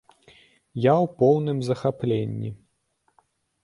Я у поўным захапленні.